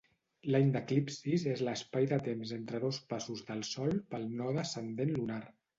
L'any d'eclipsis és l'espai de temps entre dos passos del Sol pel node ascendent lunar.